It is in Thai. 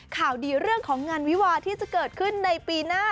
ข่าวดีเรื่องของงานวิวาที่จะเกิดขึ้นในปีหน้า